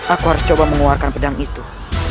aku harus coba mengeluarkan pedang itu